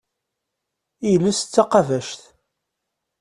Iles d taqabact.